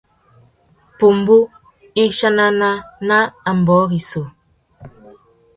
Pumbú i chanana nà ambōh rissú.